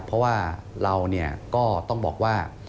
เพราะว่าเราก็ต้องบอกว่า